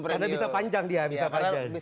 karena bisa panjang dia bisa panjang